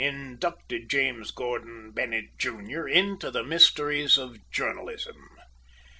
inducted James Gordon Bennett, Jr., into the mysteries of journalism.